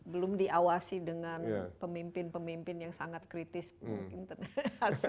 belum diawasi dengan pemimpin pemimpin yang sangat kritis mungkin